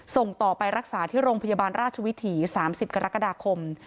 ส่งต่อไปรักษาที่โรงพยาบาลราชวิถี๓๐กรกฎาคม